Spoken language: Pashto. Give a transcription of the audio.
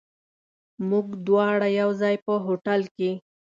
موږ دواړه یو ځای، په هوټل کې.